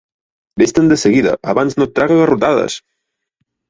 Vés-te'n de seguida, abans no et traga a garrotades!